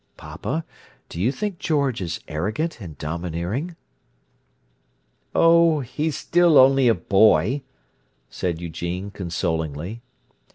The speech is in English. "Papa, do you think George is terribly arrogant and domineering?" "Oh, he's still only a boy," said Eugene consolingly.